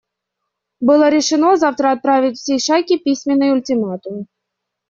Было решено завтра отправить всей шайке письменный ультиматум.